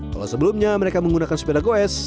kalau sebelumnya mereka menggunakan sepeda goes